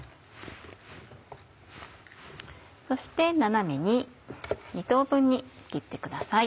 そして斜めに２等分に切ってください。